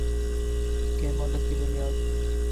کے ماڈل کی بنیاد